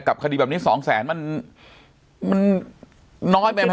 กับคดีแบบนี้สองแสนมันมันน้อยแม่งฮะ